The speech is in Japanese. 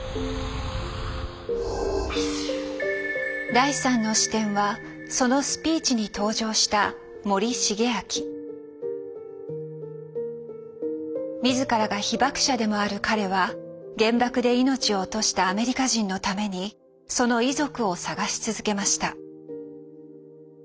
第３の視点はそのスピーチに登場した自らが被爆者でもある彼は原爆で命を落としたアメリカ人のためにその遺族を探し続けました。